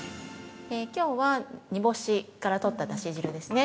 ◆きょうは煮干しから取っただし汁ですね。